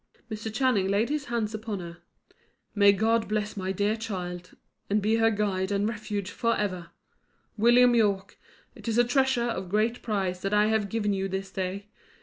Mr. Channing laid his hands upon her. "May God bless my dear child, and be her guide and refuge for ever! William Yorke, it is a treasure of great price that I have given you this day.